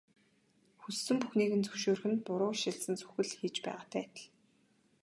Хүссэн бүхнийг нь зөвшөөрөх нь буруу ишилсэн сүх л хийж байгаатай адил.